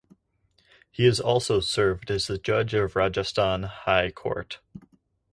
He has also served as the Judge of Rajasthan High Court.